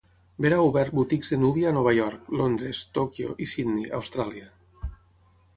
Vera ha obert boutiques de núvia a Nova York, Londres, Tòquio i Sydney, Austràlia.